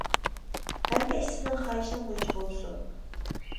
-ھەممە ئىش سېنىڭ خاھىشىڭ بويىچە بولسۇن.